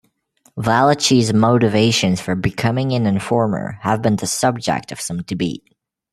Valachi's motivations for becoming an informer have been the subject of some debate.